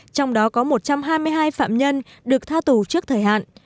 trong đó có một trăm hai mươi hai phạm nhân được tha tù trước thời hạn